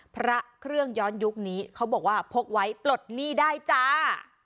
พระเครื่องย้อนยุคนี้เขาบอกว่าพกไว้ปลดหนี้ได้จ้า